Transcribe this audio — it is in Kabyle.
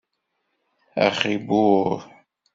Axi buh!